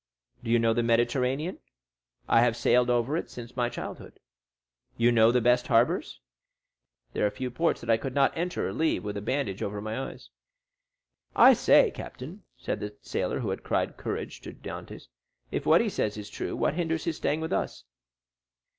"Do you know the Mediterranean?" "I have sailed over it since my childhood." "You know the best harbors?" "There are few ports that I could not enter or leave with a bandage over my eyes." "I say, captain," said the sailor who had cried "Courage!" to Dantès, "if what he says is true, what hinders his staying with us?"